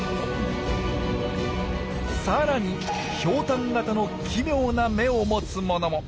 さらにひょうたん型の奇妙な眼を持つものも。